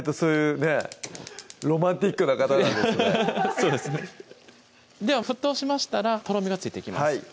そうですねでは沸騰しましたらとろみがついてきます